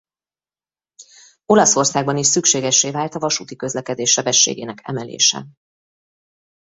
Olaszországban is szükségessé vált a vasúti közlekedés sebességének emelése.